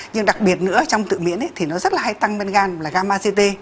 nhưng đặc biệt nữa trong tự miễn thì nó rất là hay tăng men gan là gamma ct